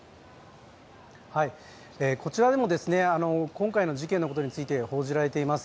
こちらでも今回の事件のことについて報じられています。